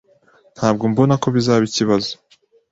Ntabwo mbona ko bizaba ikibazo.